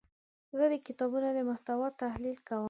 زه د کتابونو د محتوا تحلیل کوم.